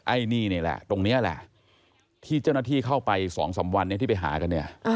ไอ้นี่นี่แหละตรงนี้แหละที่เจ้าหน้าที่เข้าไป๒๓วันที่ไปหากันเนี่ย